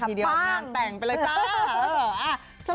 ปั้่งแต่งไปเลยจ้า